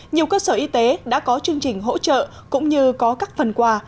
nhiều cơ sở y tế đã có chương trình hỗ trợ cũng như có các phần quà